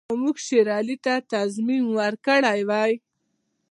که موږ شېر علي ته تضمین ورکړی وای.